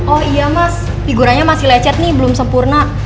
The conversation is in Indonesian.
oh iya mas figurannya masih lecet nih belum sempurna